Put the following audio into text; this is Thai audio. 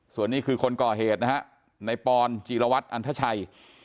ส่วนนี้คือคนก่อเหตุนะฮะในปอนจีรวัตรอันทชัย